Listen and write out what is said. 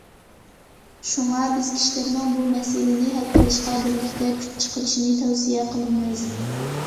شۇڭا بىز كىشىلەرنىڭ بۇ مەسىلىنى ھەل قىلىشقا بىرلىكتە كۈچ چىقىرىشىنى تەۋسىيە قىلىمىز.